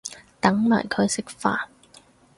等埋佢食飯